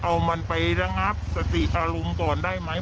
เอามันไประงับสติอารมณ์ก่อนได้ไหม